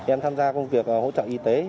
em tham gia công việc hỗ trợ y tế